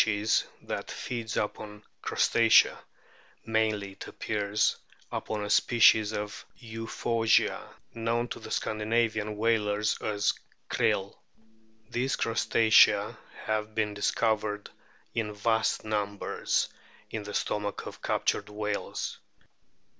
154 A BOOK OF WHALES that feeds upon Crustacea, mainly, it appears, upon a species of Euphansia, known to the Scandinavian whalers as " Krill." These Crustacea have been discovered in vast numbers in the stomach of captured whales.